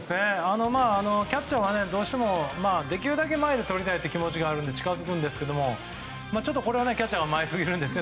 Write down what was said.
キャッチャーはどうしてもできるだけ前でとりたい気持ちがあるので近づくんですけどもこれはキャッチャーが前すぎるんですね。